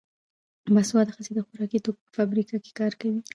باسواده ښځې د خوراکي توکو په فابریکو کې کار کوي.